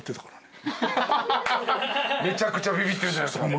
めちゃくちゃビビってるじゃないですか。